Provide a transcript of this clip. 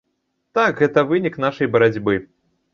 Так, гэта вынік нашай барацьбы.